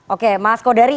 oke mas kodari